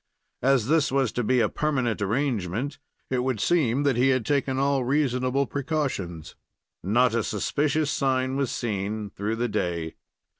As this was to be a permanent arrangement, it would seem that he had taken all reasonable precautions. Not a suspicious sign was seen through the day.